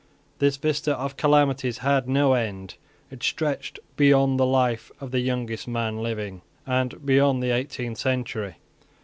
This vista of calamities had no end. It stretched beyond the life of the youngest man living, beyond the eighteenth century.